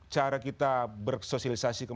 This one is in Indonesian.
cara kita bersosialisasi kita